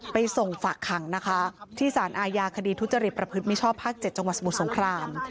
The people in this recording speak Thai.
ไปส่งฝากขังนะคะที่สารอาญาคดีทุจริตประพฤติมิชชอบภาค๗จังหวัดสมุทรสงคราม